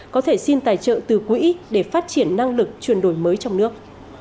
có thể xin tài trợ từ quỹ để phát triển năng lực chuyển đổi mới trong nước